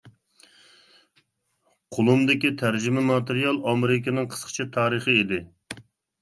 قۇلۇمدىكى تەرجىمە ماتېرىيال ئامېرىكىنىڭ قىسقىچە تارىخى ئىدى.